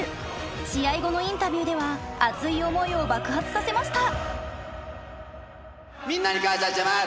試合後のインタビューでは熱い思いを爆発させました。